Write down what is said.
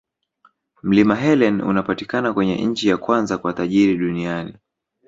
Mlima helen unapatikana kwenye nchi ya kwanza kwa tajiri duniani